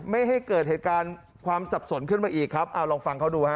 ไม่ให้เกิดเหตุการณ์ความสับสนขึ้นมาอีกครับเอาลองฟังเขาดูฮะ